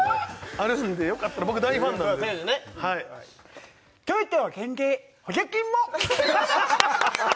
あるんでよかったら僕大ファンなんでトヨタは減税補助金も！